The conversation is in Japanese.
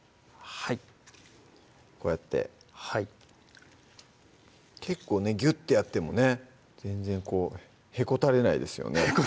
こうやってはい結構ねギュッてやってもね全然こうへこたれないですよね